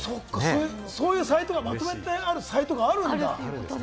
そういうのをまとめてあるサイトがあるんだ。